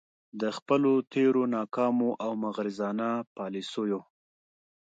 د خپلو تیرو ناکامو او مغرضانه يالیسیو